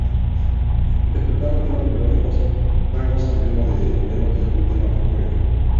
Interpretaban temas melódicos, tangos en ritmo de bolero y algún tema folklórico.